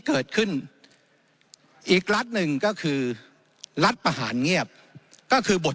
เกิดขึ้นอีกรัฐหนึ่งก็คือรัฐประหารเงียบก็คือบท